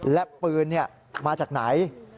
และปืนมาจากไหน